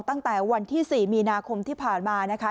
ตั้งแต่วันที่๔มีนาคมที่ผ่านมานะคะ